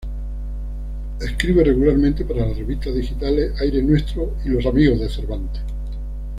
Escribe regularmente para las revistas digitales "Aire nuestro" y "Los amigos de Cervantes".